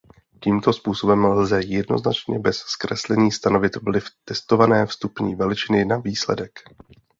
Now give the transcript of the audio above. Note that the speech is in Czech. Tímto způsobem lze jednoznačně bez zkreslení stanovit vliv testované vstupní veličiny na výsledek.